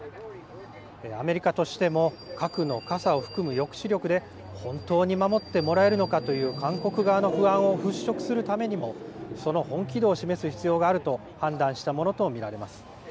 アメリカとしても核の傘を含む抑止力で本当に守ってもらえるのかという韓国側の不安を払拭するためにも、その本気度を示す必要があると判断したものと見られます。